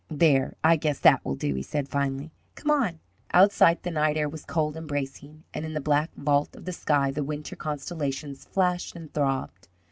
"There, I guess that will do," he said, finally. "Come on!" Outside, the night air was cold and bracing, and in the black vault of the sky the winter constellations flashed and throbbed.